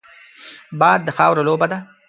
باد د خاورو لوبه ده